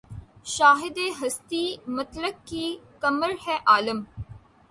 شاہدِ ہستیِ مطلق کی کمر ہے‘ عالم